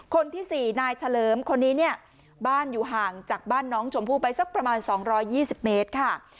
คนที่๔นายเฉลิมคนนี้เนี่ยบ้านอยู่ห่างจากบ้านน้องชมพู่ไปสักประมาณ๒๒๐เมตรค่ะ